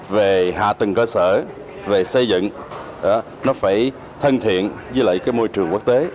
về hạ tầng cơ sở về xây dựng nó phải thân thiện với lại cái môi trường quốc tế